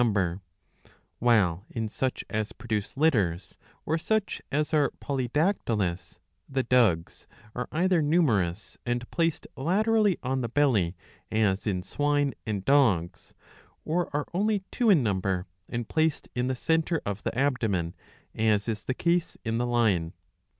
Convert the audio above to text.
number,^^ while in such as produce litters, or such as are polydactylous, the dugs are e88a. IV. lO. 121 either numerous and placed laterally on the belly, as in swine and dogs, or are only two in number and placed in the centre of the abdomen, as is the case in the lion."